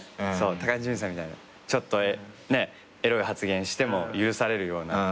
高田純次さんみたいなちょっとエロい発言しても許されるような